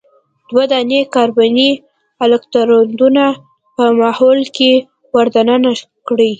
دوه دانې کاربني الکترودونه په محلول کې ور د ننه کړئ.